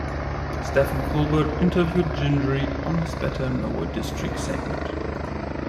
Stephen Colbert interviewed Gingrey on his Better Know a District segment.